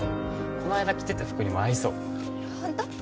この間来てた服にも合いそうホント？